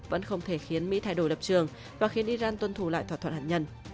vẫn không thể khiến mỹ thay đổi lập trường và khiến iran tuân thủ lại thỏa thuận hạt nhân